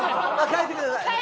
変えてください！